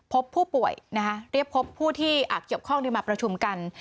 พบผู้ป่วยนะคะเรียกพบผู้ที่อาจเกี่ยวข้องที่มาประชุมกัน